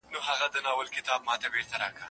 د انتقام تورو د صبر زولنې ماتي کړې